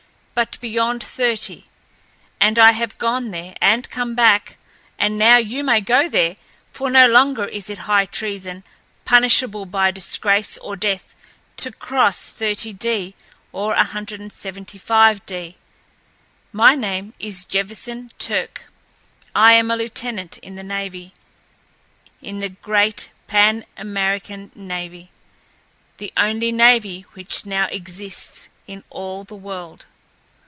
But beyond thirty! And I have gone there, and come back; and now you may go there, for no longer is it high treason, punishable by disgrace or death, to cross 30° or 175°. My name is Jefferson Turck. I am a lieutenant in the navy—in the great Pan American navy, the only navy which now exists in all the world.